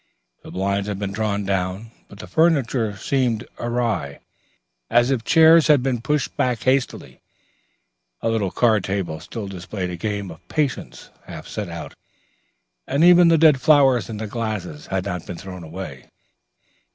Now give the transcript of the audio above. The blinds had been drawn down, but the furniture seemed awry as if chairs had been pushed back hastily, a little card table still displayed a game of patience half set out, and even the dead flowers in the glasses had not been thrown away.